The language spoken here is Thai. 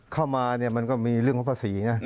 เข้ามามันก็มีเรื่องของภาษี